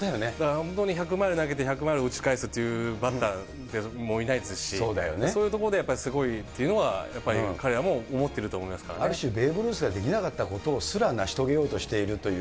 本当に１００マイル投げて、１００マイル打ち返すっていうバッターもいないですし、そういうところでやっぱりすごいっていうのはやっぱり、彼らも思ってるとある種、ベーブ・ルースすらできなかったことすら成し遂げようとしていると。